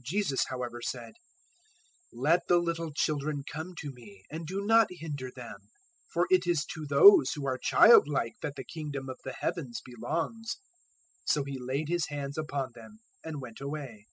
019:014 Jesus however said, "Let the little children come to me, and do not hinder them; for it is to those who are childlike that the Kingdom of the Heavens belongs." 019:015 So He laid His hands upon them and went away.